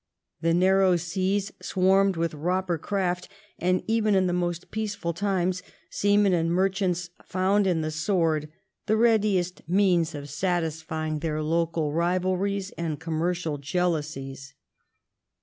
The narrow seas swarmed with robber craft, and even in the most peaceful times, seamen and merchants found in the sword the readiest means of satisfying their local rivalries and commercial jealousies.